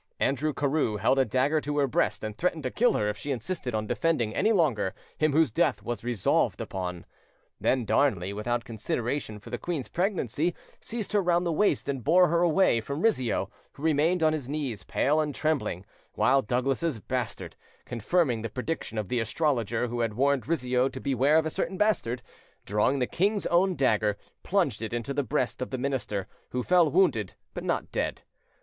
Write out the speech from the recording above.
Andrew Carew held a dagger to her breast and threatened to kill her if she insisted on defending any longer him whose death was resolved upon. Then Darnley, without consideration for the queen's pregnancy, seized her round the waist and bore her away from Rizzio, who remained on his knees pale and trembling, while Douglas's bastard, confirming the prediction of the astrologer who had warned Rizzio to beware of a certain bastard, drawing the king's own dagger, plunged it into the breast of the minister, who fell wounded, but not dead.